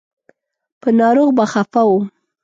په ناروغ به خفه و.